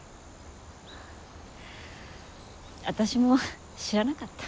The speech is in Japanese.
私も知らなかった。